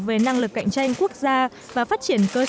về năng lực cạnh tranh quốc gia và phát triển cơ sở